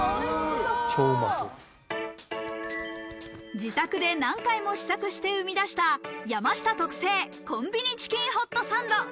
自宅で何回も試作して生み出した、山下特製コンビニチキンホットサンド。